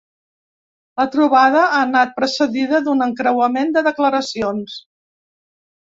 La trobada ha anat precedida d’un encreuament de declaracions.